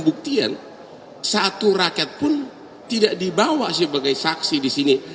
buktian satu rakyat pun tidak dibawa sebagai saksi di sini